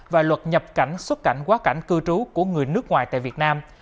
và luật nhập cảnh xuất cảnh quá cảnh cư trú của người nước ngoài tại việt nam